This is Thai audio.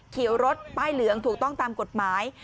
ขี่รถป้ายเหลืองถูกต้องตามกฎหมาย